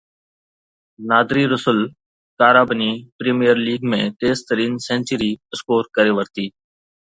نادري Russell ڪارابني premier league ۾ تيز ترين سينچري اسڪور ڪري ورتي